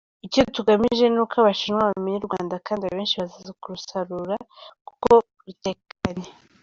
Icyo tugamije ni uko Abashinwa bamenya u Rwanda kandi abenshi bazaza kurusura kuko rutekanye.